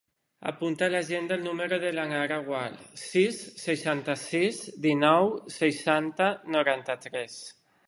Apunta a l'agenda el número de la Nara Gual: sis, seixanta-sis, dinou, seixanta, noranta-tres.